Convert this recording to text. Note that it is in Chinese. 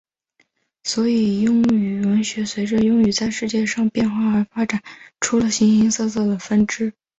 所以英语文学随着英语在世界上的变化而发展出了形形色色的分支。